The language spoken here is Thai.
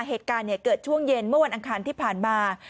เหตุการณ์เกิดช่วงเย็นเมื่อวันอังคารที่ผ่านมา